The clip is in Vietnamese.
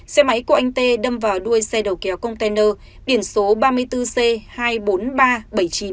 xe máy của anh tê đâm vào đuôi xe đầu kéo container điển số ba mươi bốn c hai mươi bốn